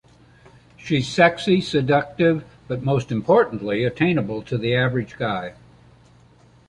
She's sexy, seductive, but most importantly 'attainable' to the average guy.